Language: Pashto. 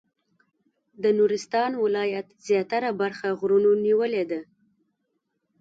د نورستان ولایت زیاتره برخه غرونو نیولې ده.